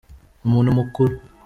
Umuntu mukuru.